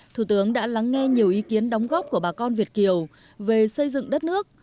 thủ tướng đã lắng nghe nhiều ý kiến đóng góp của bà con việt kiều về xây dựng đất nước